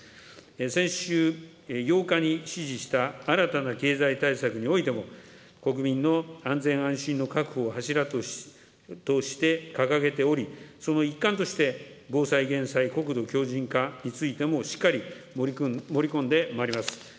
先週８日に指示した新たな経済対策においても、国民の安全安心の確保を柱として掲げており、その一環として、防災・減災・国土強じん化についても、しっかり盛り込んでまいります。